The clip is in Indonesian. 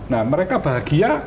nah mereka bahagia